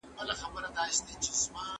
خپلو ماشومانو ته د پاکوالي درس ورکړئ.